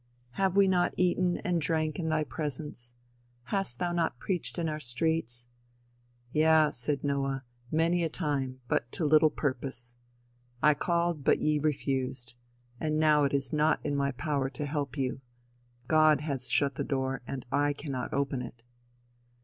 "'Have we not eaten and drank in thy presence? Hast thou not preached in our streets? 'Yea,' said Noah, 'many a time, but to little purpose. I called but ye refused; and now it is not in my power to help you. God has shut the door and I cannot open it.'